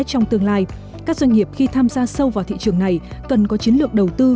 trong tương lai các doanh nghiệp khi tham gia sâu vào thị trường này cần có chiến lược đầu tư